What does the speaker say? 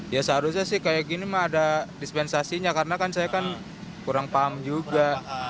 ya seharusnya sih kayak gini mah ada dispensasinya karena kan saya kan kurang paham juga